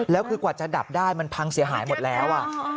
แล้วคือกว่าจะดับได้มันพังเสียหายหมดแล้ว